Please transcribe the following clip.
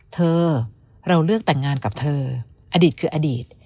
เธอเราเลือกแต่งงานกับเธออดีตคืออดีต